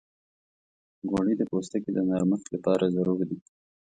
غوړې د پوستکي د نرمښت لپاره ضروري دي.